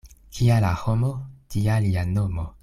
Kia la homo, tia lia nomo.